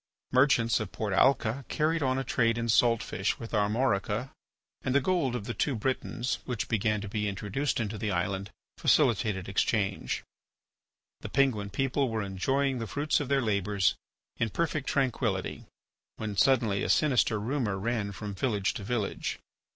Merchants of Port Alca carried on a trade in salt fish with Armorica and the gold of the two Britains, which began to be introduced into the island, facilitated exchange. The Penguin people were enjoying the fruit of their labours in perfect tranquillity when suddenly a sinister rumour ran from village to village.